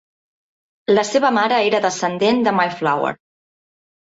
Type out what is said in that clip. La seva mare era descendent de "Mayflower".